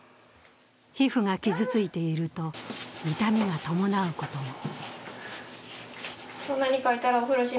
皮膚が傷ついていると痛みが伴うことも。